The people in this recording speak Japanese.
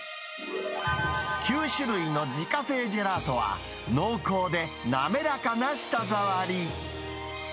９種類の自家製ジェラートは、濃厚で滑らかな舌触り。